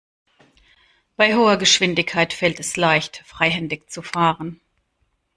Bei hoher Geschwindigkeit fällt es leicht, freihändig zu fahren.